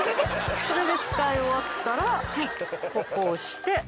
それで使い終わったらここを押して。